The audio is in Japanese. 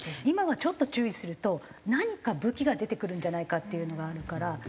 今はちょっと注意すると何か武器が出てくるんじゃないかっていうのがあるから。